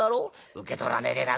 受け取らねえで殴った。